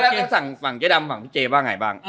แล้วสั่งฝั่งเจ๊ดำฝั่งพี่เจ๊บ้างไงบ้าง